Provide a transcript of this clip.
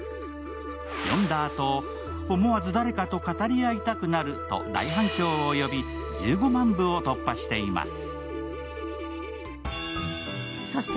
読んだあと思わず誰かと語り合いたくなると大反響を呼び１５万部を突破しています。